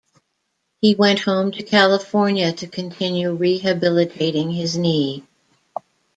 He went home to California to continue rehabilitating his knee.